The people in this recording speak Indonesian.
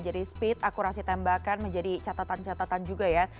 speed akurasi tembakan menjadi catatan catatan juga ya